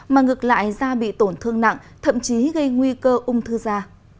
mà ngược lại da bị tổn thương nặng thậm chí gây nguy cơ ung thư da